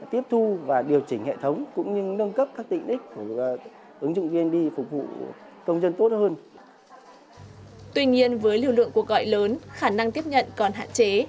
tuy nhiên với lưu lượng cuộc gọi lớn khả năng tiếp nhận còn hạn chế